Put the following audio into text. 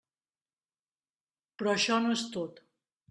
Però això no és tot.